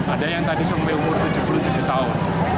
ada yang tadi sampai umur tujuh puluh tujuh tahun